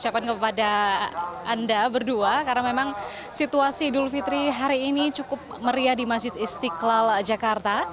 ucapkan kepada anda berdua karena memang situasi idul fitri hari ini cukup meriah di masjid istiqlal jakarta